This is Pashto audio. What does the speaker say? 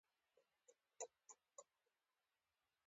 سیریلیون خلک له حکومته تر پزې راغلي وو.